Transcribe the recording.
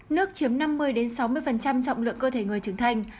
nước chiếm năm mươi sáu mươi trọng lượng cơ thể người trưởng thành